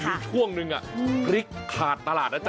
หลีกช่วงนึงเสียประสาทพลิกขาดตลาดนะจ๊ะ